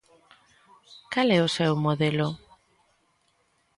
Cal é o seu modelo?